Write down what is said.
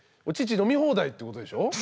お乳飲み放題ってことでしょ？